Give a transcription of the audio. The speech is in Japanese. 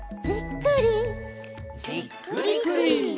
「じっくりくり」